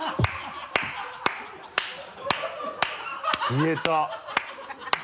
消えた！